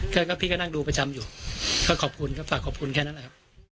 ก็พี่ก็นั่งดูประจำอยู่ก็ขอบคุณครับฝากขอบคุณแค่นั้นแหละครับ